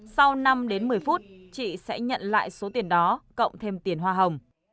sau năm đến một mươi phút chị sẽ nhận lại số tiền đó cộng thêm tiền hoa hồng